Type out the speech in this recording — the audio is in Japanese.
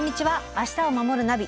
「明日をまもるナビ」